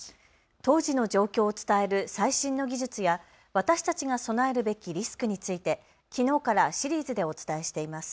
当時の状況を伝える最新の技術や私たちが備えるべきリスクについてきのうからシリーズでお伝えしています。